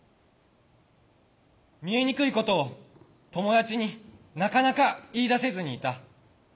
見えにくいことを友達になかなか言いだせずにいた。